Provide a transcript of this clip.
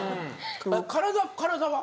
体体は？